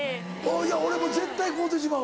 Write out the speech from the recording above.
いや俺も絶対買うてしまう。